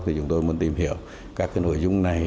chúng tôi muốn tìm hiểu các nội dung này